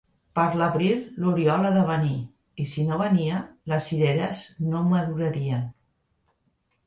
Per l'abril, l'oriol ha de venir, i si no venia, les cireres no madurarien.